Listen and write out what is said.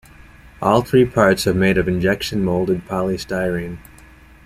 All three parts are made of injection-moulded polystyrene.